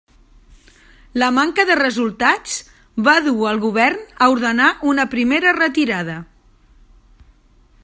La manca de resultats va dur el govern a ordenar una primera retirada.